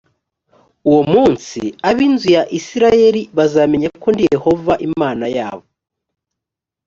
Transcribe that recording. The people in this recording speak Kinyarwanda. uwo munsi ab’ inzu ya isirayeli bazamenya ko ndi yehova imana yabo